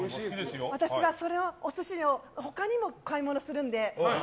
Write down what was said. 私はそれをお寿司を他にも買い物するので。